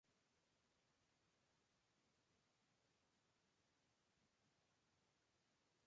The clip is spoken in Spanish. Esta separa a los simpatizantes locales y visitantes.